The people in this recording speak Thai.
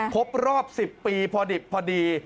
ครบรอบ๑๐ปีพอดิบพอดี